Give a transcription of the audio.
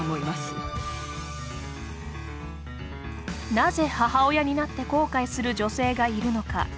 なぜ母親になって後悔する女性がいるのか。